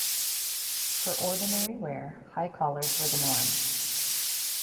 For ordinary wear, high collars were the norm.